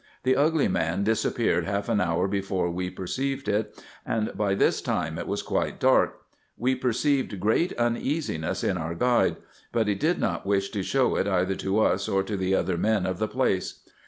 The ugly man disappeared half an hour before we perceived it, and by this time it was quite dark : we perceived great uneasiness in our guide, but he did not wish to show it either to us or to the other men of the place.